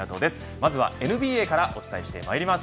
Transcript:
まずはＮＢＡからお伝えしてまいります。